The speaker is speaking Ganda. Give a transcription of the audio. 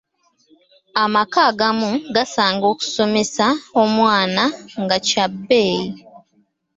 Amaka agamu gasanga okusomesa omwana nga kya bbeeyi.